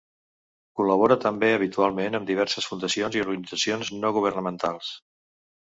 Col·labora també habitualment amb diverses fundacions i organitzacions no governamentals.